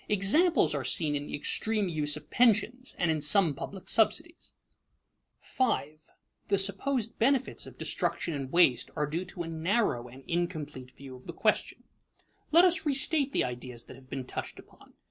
Examples are seen in the extreme use of pensions and in some public subsidies. [Sidenote: The fallacy of waste] 5. The supposed benefits of destruction and waste are due to a narrow and incomplete view of the question. Let us restate the ideas that have been touched upon.